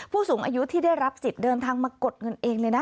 ผู้สูงอายุที่ได้รับสิทธิ์เดินทางมากดเงินเองเลยนะ